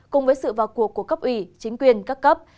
cùng với sự vào cuộc của cấp ủy chính quyền các cấp